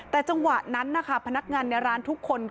แต่จังหวะนั้นนะคะพนักงานในร้านทุกคน